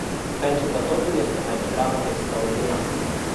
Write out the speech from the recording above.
Pentru că totul este mai degrabă extraordinar.